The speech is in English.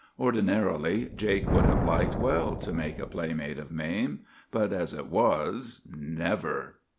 Ordinarily Jake would have liked well to make a playmate of Mame; but as it was—never!